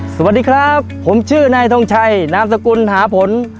สวัสดีครับผมชื่อนายทงชัยนามสกุลหาผล